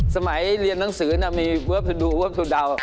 สมัยเรียนนังสือมีเวิร์บทูดูเวิร์บทูเดา